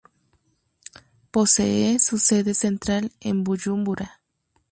Posee su sede central en Buyumbura.